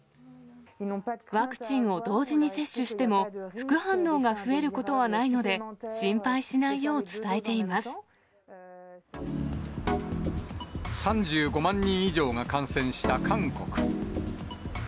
ワクチンを同時に接種しても、副反応が増えることはないので、３５万人以上が感染した韓国。